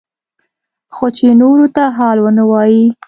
خو چې نورو ته حال ونه وايي.